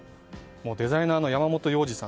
デザイナーの山本耀司さん。